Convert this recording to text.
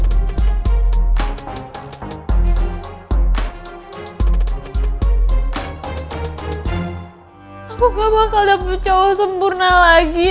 aku gak bakal dapet cowok sempurna lagi